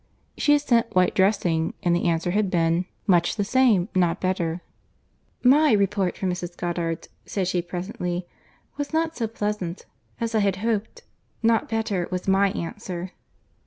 She had sent while dressing, and the answer had been, "Much the same—not better." "My report from Mrs. Goddard's," said she presently, "was not so pleasant as I had hoped—'Not better' was my answer."